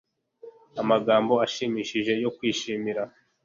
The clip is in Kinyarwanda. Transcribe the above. Amagambo ashimishije yo kwishimira